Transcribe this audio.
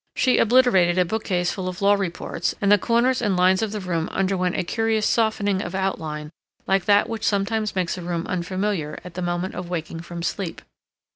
She obliterated a bookcase full of law reports, and the corners and lines of the room underwent a curious softening of outline like that which sometimes makes a room unfamiliar at the moment of waking from sleep.